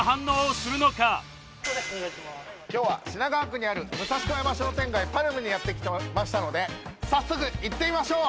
今日は品川区にある武蔵小山商店街パルムにやって来ましたので早速行ってみましょう！